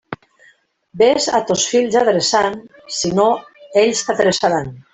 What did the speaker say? Vés a tos fills adreçant, si no, ells t'adreçaran.